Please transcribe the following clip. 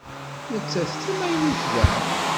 Nettat d tamaynut da.